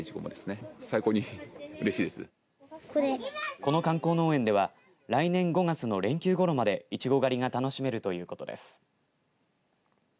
この観光農園では来年５月の連休ごろまでいちご狩りが楽しめるということです。